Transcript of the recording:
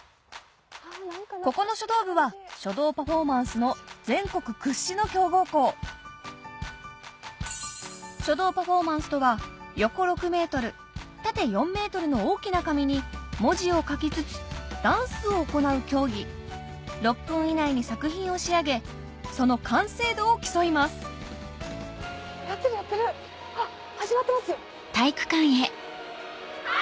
ここの書道部は書道パフォーマンスの全国屈指の強豪校書道パフォーマンスとは横 ６ｍ 縦 ４ｍ の大きな紙に文字を書きつつダンスを行う競技６分以内に作品を仕上げその完成度を競いますやってるやってるあっ始まってますよ。はい！